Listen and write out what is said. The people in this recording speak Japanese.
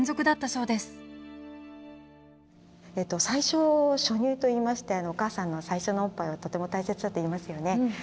最初初乳と言いましてお母さんの最初のおっぱいはとても大切だと言いますよね。